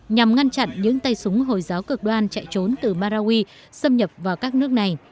nhằm ngăn chặn những tay súng hồi giáo cực đoan chạy trốn từ marawi xâm nhập vào các nước này